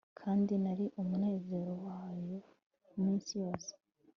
Kandi nari umunezero wayo iminsi yose